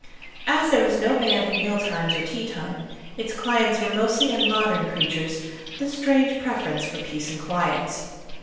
As there was no band at meal times or tea time, its clients were mostly unmodern creatures with a strange preference for peace and quiet.